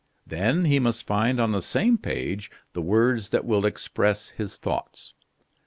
Then he must find on the same page the words that will express his thoughts.